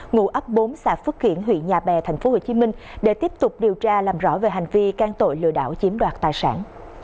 ngụ ấp bốn xã phước kiển huyện nhà bè tp hcm để tiếp tục điều tra làm rõ về hành vi can tội lừa đảo chiếm đoạt tài sản